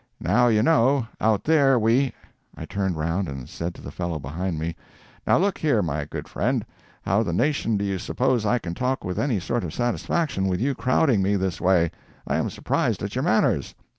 Now, you know, out there we—" I turned round and said to the fellow behind me: "Now, look here, my good friend, how the nation do you suppose I can talk with any sort of satisfaction, with you crowding me this way? I am surprised at your manners."